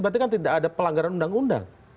berarti kan tidak ada pelanggaran undang undang